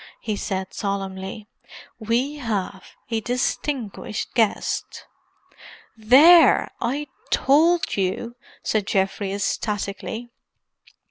he said solemnly. "We have a distinguished guest." "There! I told you," said Geoffrey ecstatically.